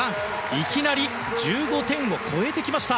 いきなり１５点を超えてきました！